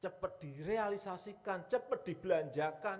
cepat direalisasikan cepat dibelanjakan